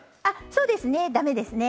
そうですね駄目ですね。